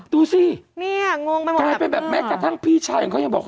ดูสิง้องไม่เหมาะกลายเป็นแบบแม้กระทั่งพี่ชายเขายังบอก